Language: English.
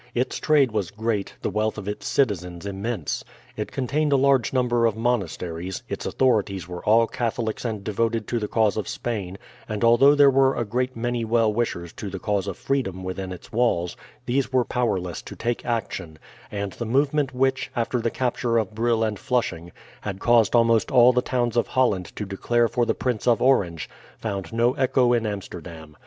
Its trade was great, the wealth of its citizens immense. It contained a large number of monasteries, its authorities were all Catholics and devoted to the cause of Spain, and although there were a great many well wishers to the cause of freedom within its walls, these were powerless to take action, and the movement which, after the capture of Brill and Flushing, had caused almost all the towns of Holland to declare for the Prince of Orange, found no echo in Amsterdam.